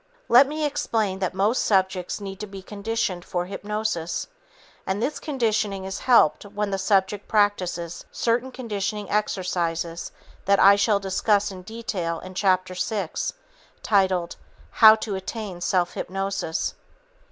Let me explain that most subjects need to be conditioned for hypnosis, and this conditioning is helped when the subject practices certain conditioning exercises that I shall discuss in detail in chapter six, titled "How To Attain Self Hypnosis."